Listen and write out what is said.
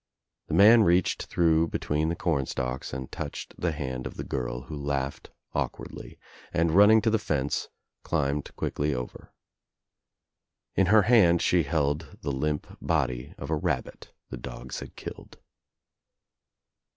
The man reached through between the corn stalks and touched the hand of the girt who laughed awkwardly and running to the fence climbed quickly over. In her hand she held the limp body of a rabbit the dogs had killed.